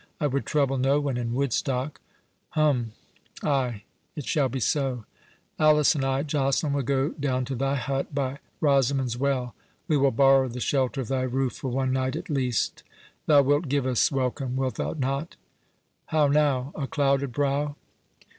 I would trouble no one in Woodstock—hum—ay—it shall be so. Alice and I, Joceline, will go down to thy hut by Rosamond's well; we will borrow the shelter of thy roof for one night at least; thou wilt give us welcome, wilt thou not?—How now—a clouded brow?"